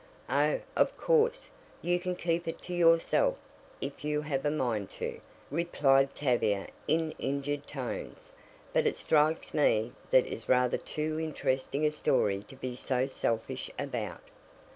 "Oh, of course, you can keep it to yourself if you have a mind to," replied Tavia in injured tones, "but it strikes me that is rather too interesting a story to be so selfish about."